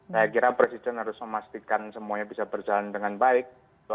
saya kira presiden harus memastikan semuanya bisa berjalan dengan baik